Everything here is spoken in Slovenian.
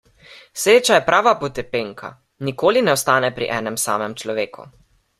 Sreča je prava potepenka; nikoli ne ostane pri enem samem človeku.